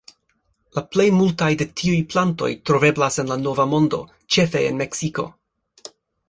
La plej multaj de tiuj plantoj troveblas en la Nova Mondo, ĉefe en Meksiko.